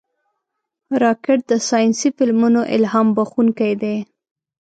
راکټ د ساینسي فلمونو الهام بښونکی دی